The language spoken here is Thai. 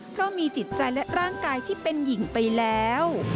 เพราะมีจิตใจและร่างกายที่เป็นหญิงไปแล้ว